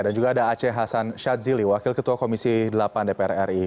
dan juga ada aceh hasan shadzili wakil ketua komisi delapan dpr ri